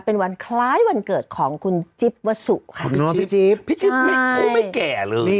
เป็นวันคล้ายวันเกิดของคุณจิ๊บวัสสุค่ะขอบน้องพี่จิ๊บใช่พี่จิ๊บเขาไม่แก่เลย